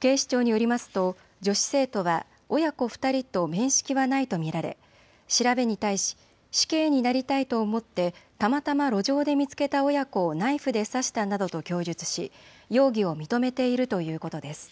警視庁によりますと女子生徒は親子２人と面識はないと見られ調べに対し、死刑になりたいと思ってたまたま路上で見つけた親子をナイフで刺したなどと供述し容疑を認めているということです。